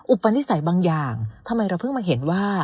อุปนิสัยบางอย่างทำไมเราเพิ่งมาเห็นว่า